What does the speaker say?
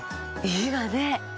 良いわね！